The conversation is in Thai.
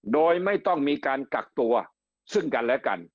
โดยไม่ต้องมีการกักตัวซึ่งกันและกัน